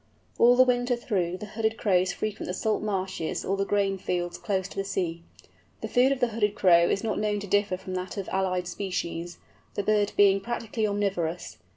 All the winter through Hooded Crows frequent the salt marshes or the grain fields close to the sea. The food of the Hooded Crow is not known to differ from that of allied species, the bird being practically omnivorous.